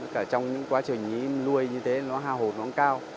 cả trong những quá trình nuôi như thế nó hao hồn nó cũng cao